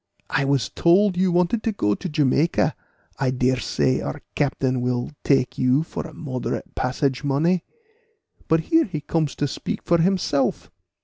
I was told you wanted to go to Jamaica; I dare say our captain will take you for a moderate passage money. But here he comes to speak for himself.